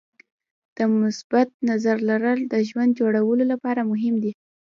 د مثبت نظر لرل د ژوند جوړولو لپاره مهم دي.